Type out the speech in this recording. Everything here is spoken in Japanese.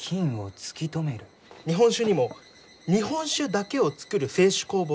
日本酒にも日本酒だけを造る清酒酵母がいるのか。